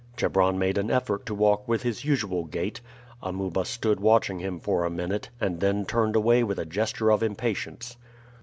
Chebron made an effort to walk with his usual gait. Amuba stood watching him for a minute, and then turned away with a gesture of impatience.